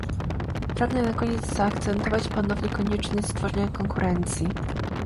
Pragnę na koniec zaakcentować ponownie konieczność stworzenia konkurencji